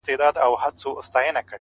• ستا بچي به هم رنګین وي هم ښاغلي ,